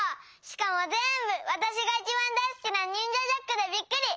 しかもぜんぶわたしがいちばんだいすきなニンジャ・ジャックでびっくり！